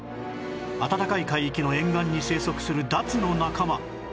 暖かい海域の沿岸に生息するダツの仲間オキザヨリ